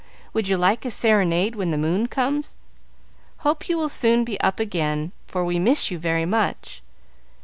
Would you like a serenade when the moon comes? Hope you will soon be up again, for we miss you very much.